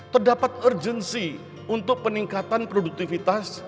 terdapat urgency untuk peningkatan produktivitas